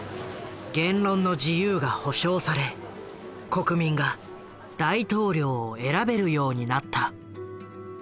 言論の自由が保障され国民が大統領を選べるようになった。